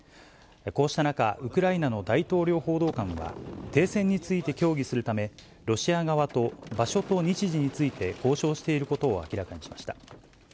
こうした中、ウクライナの大統領報道官は、停戦について協議するため、ロシア側と場所と日時について交渉していることを明らかにしました。